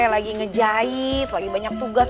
lagi ngejahit lagi banyak tugas